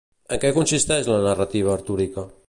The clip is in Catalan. En què consisteix la narrativa artúrica?